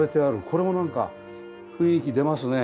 これもなんか雰囲気出ますね。